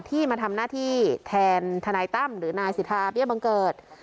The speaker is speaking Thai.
มาทำหน้าที่แทนทนายตั้มหรือนายสิทธาเบี้ยบังเกิด